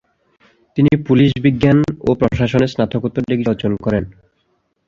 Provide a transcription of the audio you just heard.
তিনি পুলিশ বিজ্ঞান ও প্রশাসনে স্নাতকোত্তর ডিগ্রি অর্জন করেন।